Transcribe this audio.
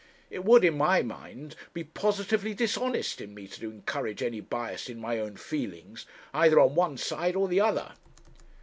It would, in my mind, be positively dishonest in me to encourage any bias in my own feelings either on one side or the other.'